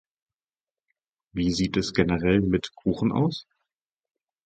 Wie sieht es generell mit Kuchen aus?